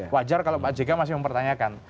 wajar kalau pak jk masih mempertanyakan